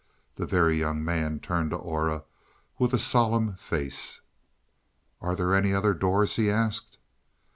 The Very Young Man turned to Aura with a solemn face. "Are there any other doors?" he asked.